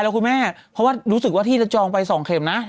คุณแม่รู้สึกที่จะจองไฟ๒เคมครับ